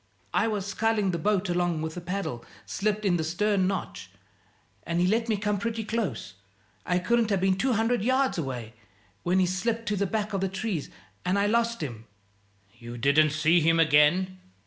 I was sculling the boat along with a paddle slipped in the stern notch, and he let me come pretty close I couldn't have been two hundred yards away when he slipped to the back of the trees, and I lost him." "You didn't see him again?"